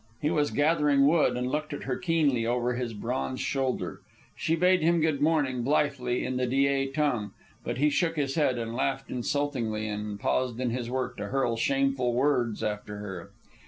He was gathering wood, and looked at her keenly over his bronze shoulder. She bade him good morning, blithely, in the Dyea tongue; but he shook his head, and laughed insultingly, and paused in his work to hurl shameful words after her.